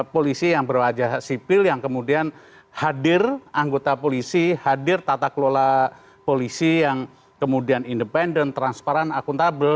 polisi yang berwajah sipil yang kemudian hadir anggota polisi hadir tata kelola polisi yang kemudian independen transparan akuntabel